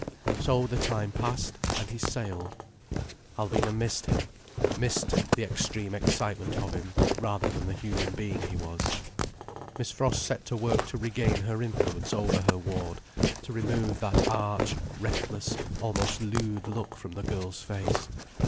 So the time passed, and he sailed. Alvina missed him, missed the extreme excitement of him rather than the human being he was. Miss Frost set to work to regain her influence over her ward, to remove that arch, reckless, almost lewd look from the girl's face.